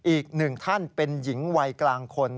อีกหนึ่งท่านเป็นหญิงวัยกลางคน